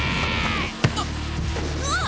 あっ。